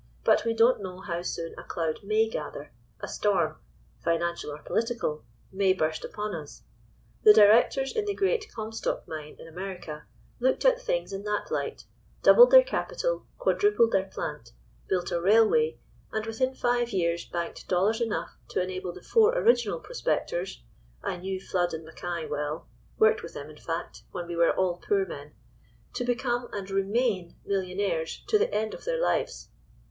But we don't know how soon a cloud may gather, a storm—financial or political—may burst upon us. The directors in the great Comstock Mine in America looked at things in that light—doubled their capital, quadrupled their plant, built a railway, and within five years banked dollars enough to enable the four original prospectors (I knew Flood and Mackay well—worked with them in fact—when we were all poor men) to become and remain millionaires to the end of their lives.